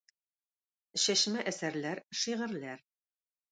Чәчмә әсәрләр, шигырьләр.